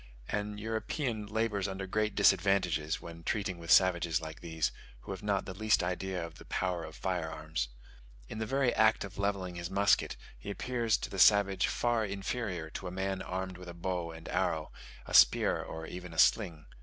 An European labours under great disadvantages when treating with savages like these, who have not the least idea of the power of fire arms. In the very act of levelling his musket he appears to the savage far inferior to a man armed with a bow and arrow, a spear, or even a sling.